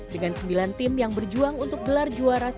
dengan sembilan tim yang berjuang untuk gelar juara sepak bola rawa